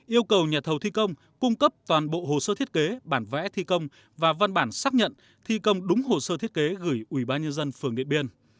yêu cầu nhà thầu thi công cung cấp toàn bộ hồ sơ thiết kế bản vẽ thi công và văn bản xác nhận thi công đúng hồ sơ thiết kế gửi ủy ban nhân dân phường điện biên